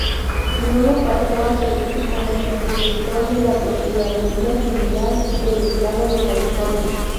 Luego pasó a servir como Subdirector de la Procuraduría General del estado de California.